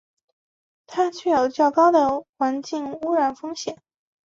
它具有较高的环境污染风险。